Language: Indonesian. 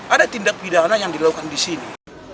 ada tindak pidana yang dilakukan di sini